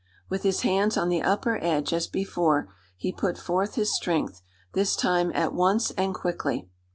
With his hands on the upper edge, as before, he put forth his strength, this time at once and quickly.